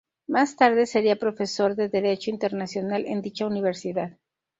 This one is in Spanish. Más tarde sería profesor de Derecho Internacional en dicha universidad.